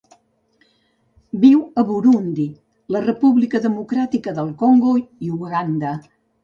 Viu a Burundi, la República Democràtica del Congo i Uganda.